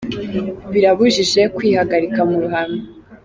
Birabujijwe kwihagarika mu ruhame.